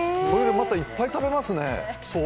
またいっぱい食べますね。